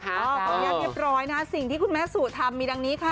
ขออนุญาตเรียบร้อยนะสิ่งที่คุณแม่สู่ทำมีดังนี้ค่ะ